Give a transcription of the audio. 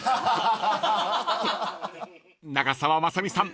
［長澤まさみさん